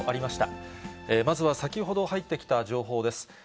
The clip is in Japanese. まずは先ほど入ってきた情報です。